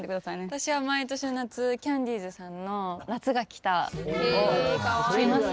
私は毎年夏キャンディーズさんの「夏が来た！」を聴きます。